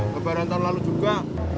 lebaran tahun lalu juga